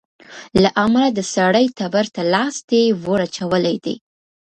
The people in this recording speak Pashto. له امله د سړي تبر ته لاستى وراچولى دى.